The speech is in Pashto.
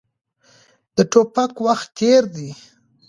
د ټوپک وخت تېر دی.